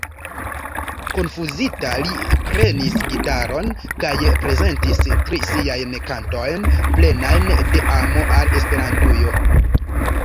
Konfuzita, li prenis gitaron kaj prezentis tri siajn kantojn plenajn de amo al Esperantujo.